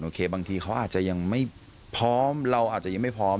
บางทีเขาอาจจะยังไม่พร้อมเราอาจจะยังไม่พร้อม